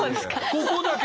ここだけ。